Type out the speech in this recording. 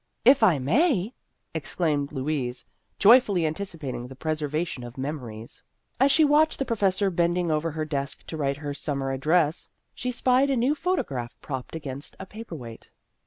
" If I may," exclaimed Louise, joyfully anticipating the preservation of memories. As she watched the professor bending over her desk to write her summer ad dress, she spied a new photograph propped against a paper weight.